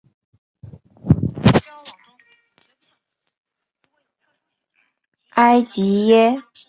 埃吉耶。